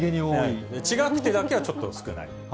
ちがくてだけはちょっと少ない。